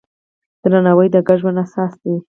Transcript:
درناوی د ګډ ژوند اساس دی.